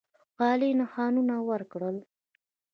عالي نښانونه ورکړل.